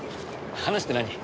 話って何？